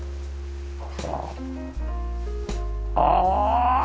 ああ！